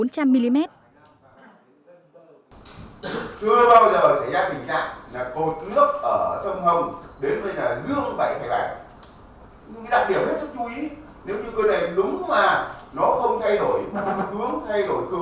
chưa bao giờ xảy ra tình trạng là cột nước ở sông hồng đến với dương bảy thái bạc